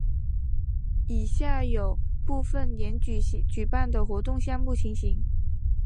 以下有部分年份举办的活动项目情形。